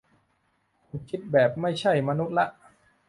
คุณคิดแบบไม่ใช่มนุษย์ละ